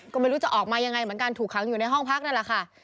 ก็ไม่รู้จะออกมายังไงเหมือนกันถูกขังอยู่ในห้องพักนั่นแหละค่ะ